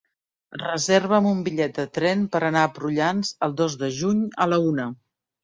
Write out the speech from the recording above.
Reserva'm un bitllet de tren per anar a Prullans el dos de juny a la una.